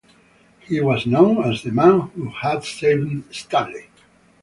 He was known as the "man who had saved Stanley".